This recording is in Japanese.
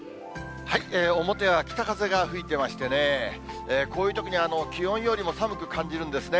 表は北風が吹いてましてね、こういうときに気温よりも寒く感じるんですね。